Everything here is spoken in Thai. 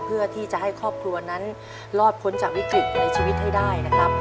เพื่อที่จะให้ครอบครัวนั้นรอดพ้นจากวิกฤตในชีวิตให้ได้นะครับ